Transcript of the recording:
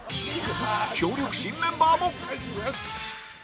強力新メンバーも